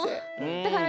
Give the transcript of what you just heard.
だから